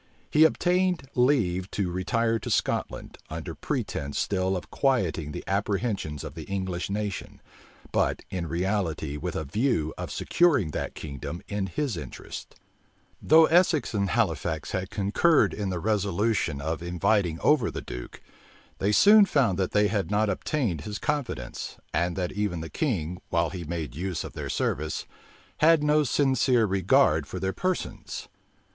He obtained leave to retire to Scotland, under pretence still of quieting the apprehensions of the English nation; but in reality with a view of securing that kingdom in his interests. Though Essex and Halifax had concurred in the resolution of inviting over the duke, they soon found that they had not obtained his confidence, and that even the king, while he made use of their service, had no sincere regard for their persons.